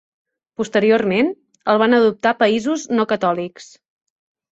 Posteriorment, el van adoptar països no catòlics.